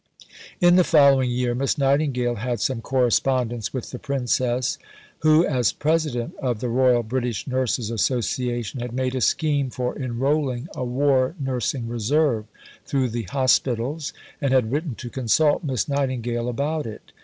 In the following year Miss Nightingale had some correspondence with the Princess, who, as President of the Royal British Nurses Association, had made a scheme for enrolling a "War Nursing Reserve" through the Hospitals, and had written to consult Miss Nightingale about it.